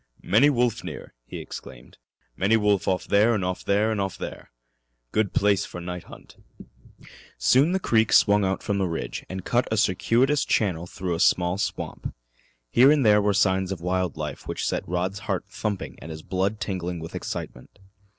"Many wolf near," he exclaimed. "Many wolf off there 'n' off there 'n' off there. Good place for night hunt." Soon the creek swung out from the ridge and cut a circuitous channel through a small swamp. Here there were signs of wild life which set Rod's heart thumping and his blood tingling with excitement.